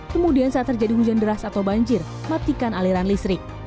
kemudian saat terjadi hujan deras atau banjir matikan aliran listrik